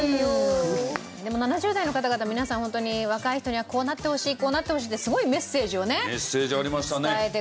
でも７０代の方々皆さんホントに若い人にはこうなってほしいこうなってほしいってすごいメッセージをね伝えてくださいました。